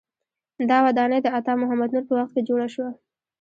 دا ودانۍ د عطا محمد نور په وخت کې جوړه شوه.